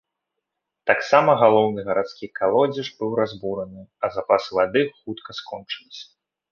Таксама, галоўны гарадскі калодзеж быў разбураны, а запасы воды хутка скончыліся.